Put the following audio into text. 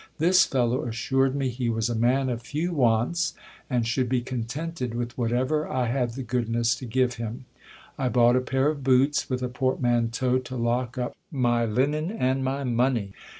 This fellow assured me he was a man of few wants, and should be contented with whatever I had the goodness to give him. I bought a pair of boots, with a portmanteau to lock up my linen and my money.